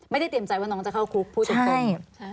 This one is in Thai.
เตรียมใจว่าน้องจะเข้าคุกพูดตรง